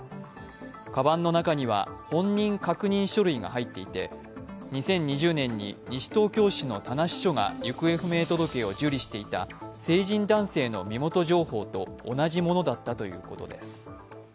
鞄の中には本人確認書類が入っていて２０２０年に西東京市の田無署が行方不明届を受理していた成人男性の身元情報と同じものだったということです。